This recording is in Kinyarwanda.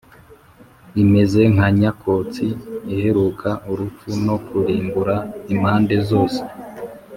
imeze nka nyakotsi irekura urupfu no kurimbura impande zose.